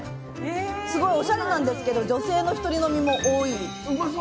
すごいおしゃれなんですけど女性の１人飲みも多い。